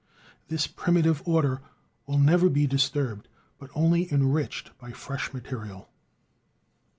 This primitive order will never be disturbed, but only enriched by fresh material.